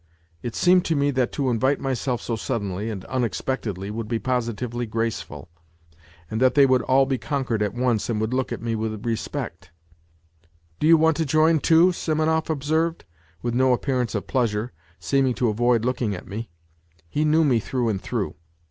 It seemed to me that to invite myself so suddenly and un expectedly would be positively graceful, and that they would all be conquered at once and would look at me with respect. ' Do you want to join, too ?" Simonov observed, with no appearance of pleasure, seeming to avoid looking at me. He knew me through and through.